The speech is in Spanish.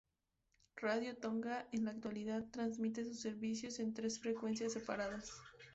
Radio Tonga en la actualidad transmite sus servicios en tres frecuencias separadas.